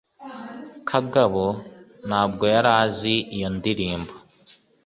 kagabo ntabwo yari azi iyo ndirimbo